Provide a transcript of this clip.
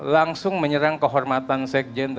langsung menyerang kehormatan sekjen dan kehormatan beliau